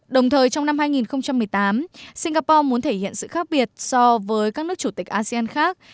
đồng thời trong năm hai nghìn một mươi tám singapore muốn thể hiện sự khác biệt so với các nước chủ tịch asean khác